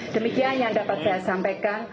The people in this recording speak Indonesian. demikian yang dapat saya sampaikan